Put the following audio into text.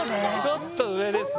ちょっと上ですね